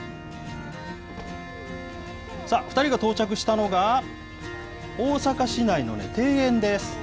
さあ、２人が到着したのが、大阪市内の庭園です。